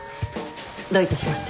どういたしまして。